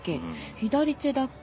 左手だっけ？